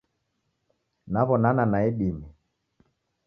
Naw'onana nae idime.